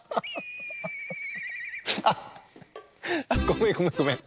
あっあっごめんごめんごめん。